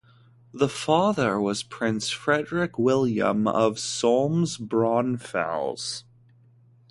The father was Prince Frederick William of Solms-Braunfels.